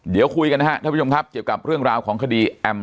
เดี๋ยวคุยกันนะครับท่านผู้ชมครับเกี่ยวกับเรื่องราวของคดีแอม